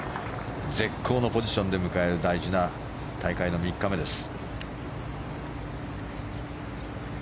絶好のポジションで迎える大事な大会の３日目です。